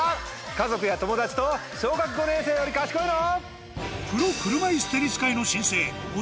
家族や友達と「小学５年生より賢いの？」。